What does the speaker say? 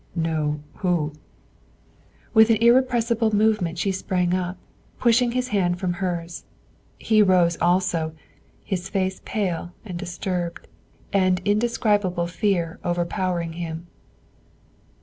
"No, who?" With an irrepressible movement she sprang up, pushing his hand from hers. He rose also, his face pale and disturbed, and indescribable fear overpowering him.